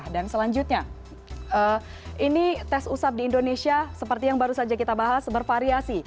dan selanjutnya ini tes usap di indonesia seperti yang baru saja kita bahas bervariasi